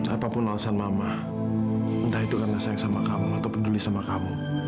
apapun alasan mama entah itu karena sayang sama kamu atau peduli sama kamu